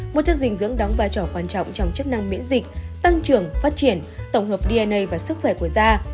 một chất dinh dưỡng đóng vai trò quan trọng trong chức năng miễn dịch tăng trưởng phát triển tổng hợp dna và sức khỏe của da